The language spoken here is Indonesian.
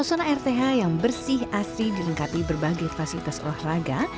suasana rth yang bersih asri dilengkapi berbagai fasilitas olahraga